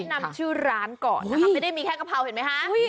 นำชื่อร้านก่อนนะคะไม่ได้มีแค่กะเพราเห็นไหมคะ